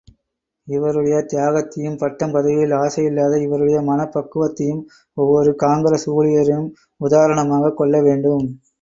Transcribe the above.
இவருடைய தியாகத்தையும், பட்டம் பதவியில் ஆசையில்லாத இவருடையமனப் பக்குவத்தையும் ஒவ்வொரு காங்கிரஸ் ஊழியரும் உதாரணமாகக் கொள்ள வேண்டும்.